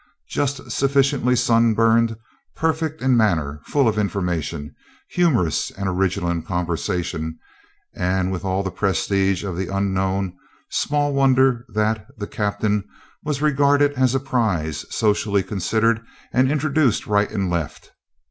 Just sufficiently sunburned, perfect in manner, full of information, humorous and original in conversation, and with all the "prestige" of the unknown, small wonder that "The Captain" was regarded as a prize, socially considered, and introduced right and left.